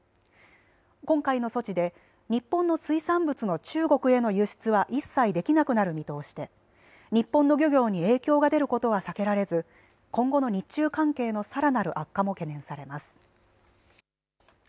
今回の措置で日本の水産物の中国への輸出は一切できなくなる見通しで日本の漁業に影響が出ることは避けられず今後の日中関係のさらなる悪化も懸念されます。